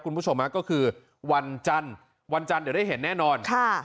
คุณผู้ชมก็คือวันจันทร์วันจันทร์เดี๋ยวได้เห็นแน่นอนค่ะ